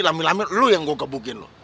lama lama lo yang gue gebukin